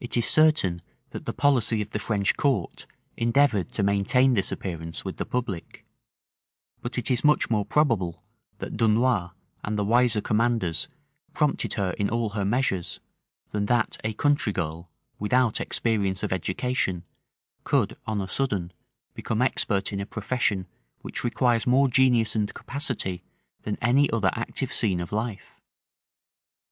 It is certain that the policy of the French court endeavored to maintain this appearance with the public: but it is much more probable, that Dunois and the wiser commanders prompted her in all her measures, than that a country girl, without experience of education, could on a sudden become expert in a profession which requires more genius and capacity than any other active scene of life.